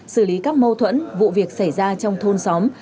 xử lý các mâu thuẫn vụ việc xảy ra trong thôn xóm